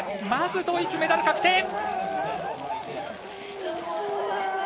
まずドイツ、メダル確定！